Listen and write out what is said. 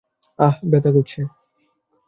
আহ, ব্যাথা করছে।